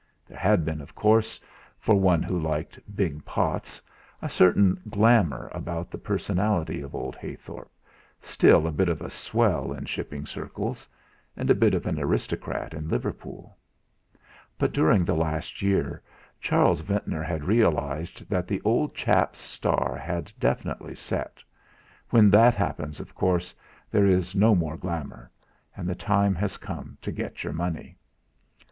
There had been, of course, for one who liked "big pots," a certain glamour about the personality of old Heythorp, still a bit of a swell in shipping circles, and a bit of an aristocrat in Liverpool. But during the last year Charles Ventnor had realised that the old chap's star had definitely set when that happens, of course, there is no more glamour, and the time has come to get your money.